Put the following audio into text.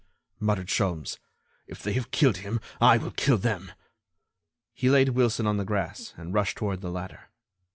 muttered Sholmes, "if they have killed him I will kill them." He laid Wilson on the grass and rushed toward the ladder.